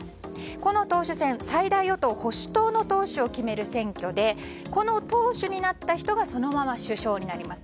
この党首選、最大与党・保守党の党首を決める選挙でしてこの党首になった人がそのまま首相になります。